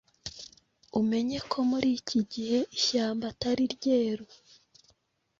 umenye ko muri iki gihe ishyamba atari ryeru!